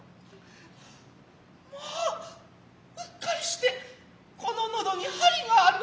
まあうつかりして此の咽喉に針がある。